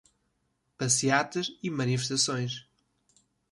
Passeatas e manifestações